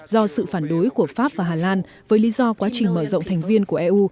do sự phản đối của pháp và hà lan với lý do quá trình mở rộng thành viên của eu